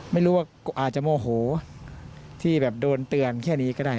ไม่รู้ว่าอาจจะโมโหที่แบบโดนเตือนแค่นี้ก็ได้